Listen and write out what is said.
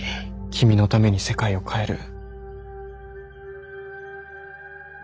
君のために世界を変える。